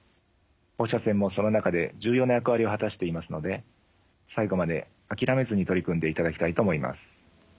放射線もその中で重要な役割を果たしていますので最後まで諦めずに取り組んでいただきたいと思います。